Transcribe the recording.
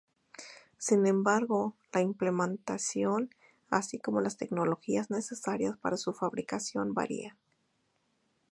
Sin embargo, la implementación, así como las tecnologías necesarias para su fabricación varían.